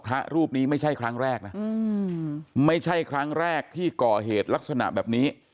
พระรูปนี้ไม่ใช่ครั้งแรกนะไม่ใช่ครั้งแรกที่ก่อเหตุลักษณะแบบนี้